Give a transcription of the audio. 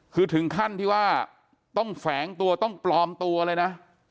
คือถึงขั้นที่ว่าต้องแฝงตัวต้องปลอมตัวเลยนะ